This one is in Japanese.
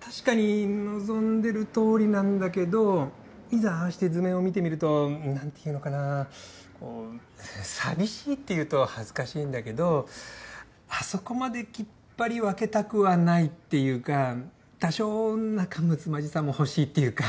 確かに望んでるとおりなんだけどいざああして図面を見てみると何て言うのかなうん寂しいって言うと恥ずかしいんだけどあそこまできっぱり分けたくはないっていうか多少仲むつまじさも欲しいっていうか。